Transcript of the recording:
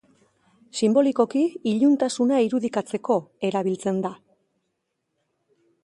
Sinbolikoki iluntasuna irudikatzeko erabiltzen da.